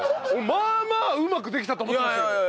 まあまあうまくできたと思ってますけど。